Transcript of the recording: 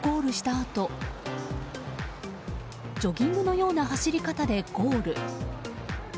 あとジョギングのような走り方でゴール。